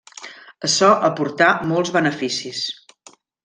Açò aportà molts beneficis.